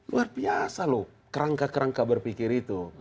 luar biasa loh kerangka kerangka berpikir itu